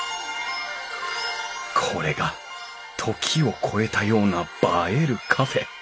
これが「時を超えたような映えるカフェ」